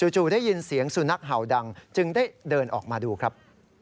จู่ได้ยินเสียงสุนัขเห่าดังจึงได้เดินออกมาดูครับ